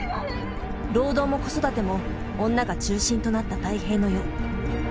労働も子育ても女が中心となった太平の世。